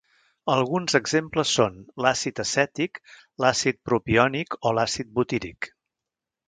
Alguns exemples són: l'àcid acètic, l'àcid propiònic o l'àcid butíric.